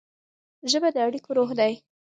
ژبه د اړیکو روح ده.